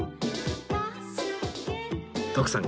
徳さん